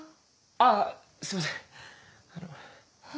あすいません！